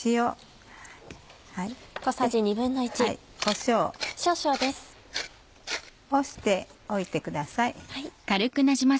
しておいてください。